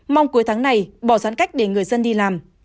mong cuối tháng này bỏ giãn cách để người dân đi làm